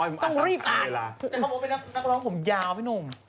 แต่เขาบอกเป็นนักร้องผมยาวไว้นุ่ม